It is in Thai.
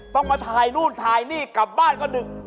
ต้องมาถ่ายนู่นถ่ายนี่กลับบ้านก็ดึก